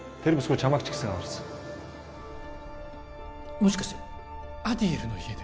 もしかしてアディエルの家で？